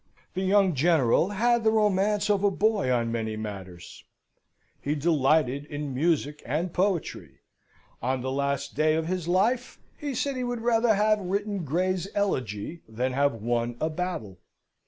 The young General had the romance of a boy on many matters. He delighted in music and poetry. On the last day of his life he said he would rather have written Gray's Elegy than have won a battle.